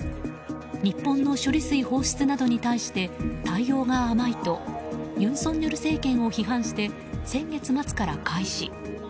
日本の処理水放出などに対して対応が甘いと尹錫悦政権を批判して先月末から開始。